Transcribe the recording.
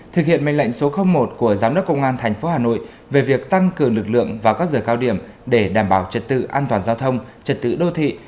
thực hiện mệnh lệnh số một của giám đốc công an tp hà nội về việc tăng cường lực lượng vào các giờ cao điểm để đảm bảo trật tự an toàn giao thông trật tự đô thị